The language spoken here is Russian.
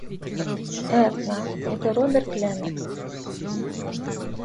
Этна, это Роберт Леннокс.